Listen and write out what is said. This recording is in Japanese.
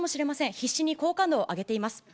必死に好感度を上げています。